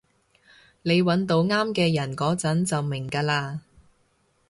你搵到啱嘅人嗰陣就明㗎喇